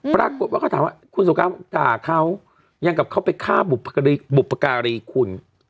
ปรากฏว่าเขาถามว่าคุณสงการด่าเขายังกับเขาไปฆ่าบุปการีคุณ